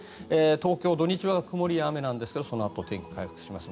東京、土日は曇りや雨ですがそのあと天気が回復します。